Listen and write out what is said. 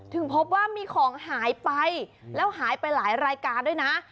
พบว่ามีของหายไปแล้วหายไปหลายรายการด้วยนะ